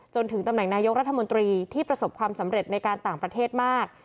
จนถึงตำแหน่งนายกรัฐมนตรีที่ประสบความสำเร็จในการต่างประเทศมาก